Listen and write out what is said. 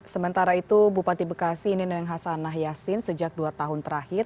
sementara itu bupati bekasi neneng hasanah yasin sejak dua tahun terakhir